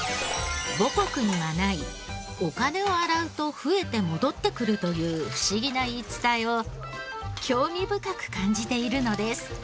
母国にはないお金を洗うと増えて戻ってくるという不思議な言い伝えを興味深く感じているのです。